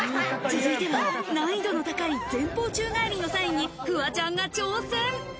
続いては難易度の高い、前方宙返りのサインにフワちゃんが挑戦。